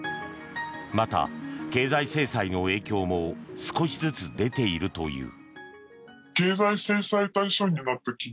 また、経済制裁の影響も少しずつ出ているという。